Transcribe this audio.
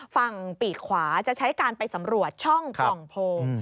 ฝั่งปีกขวาจะใช้การไปสำรวจช่องปล่องโพง